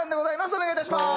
お願いいたします！